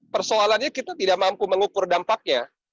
persoalannya kita tidak mampu mengukur dampaknya